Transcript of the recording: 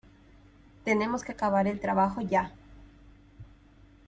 Tenemos que acabar el trabajo ya.